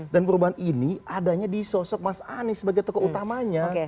dan perubahan ini adanya di sosok mas anies sebagai tokoh utamanya